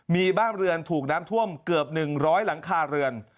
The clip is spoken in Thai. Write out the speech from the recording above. มีบ้านเรือนถูกน้ำท่วมเกือบ๑๐๐หลังคาเรือน